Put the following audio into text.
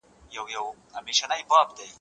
په ټولنیزو رسنیو کي په پښتو ولیکئ.